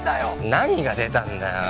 何が出たんだよ？